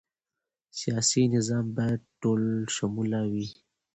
سیاسي نظام باید ټولشموله وي